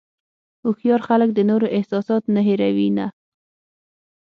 هوښیار خلک د نورو احساسات نه هیروي نه.